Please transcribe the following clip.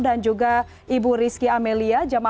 dan juga ibu rizky amelia